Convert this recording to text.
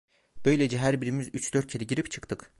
Böylece her birimiz üç dört kere girip çıktık.